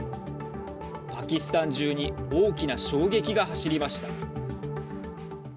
パキスタン中に大きな衝撃がはしりました。